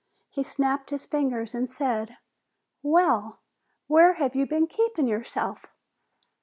He snapped his fingers and said, "Well! Where have you been keeping yourself?"